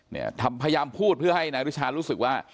พยายามพูดเพื่อให้นายนุชารู้สึกว่า